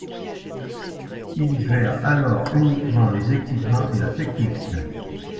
Il gère alors uniquement les équipements et la technique.